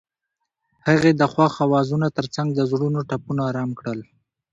هغې د خوښ اوازونو ترڅنګ د زړونو ټپونه آرام کړل.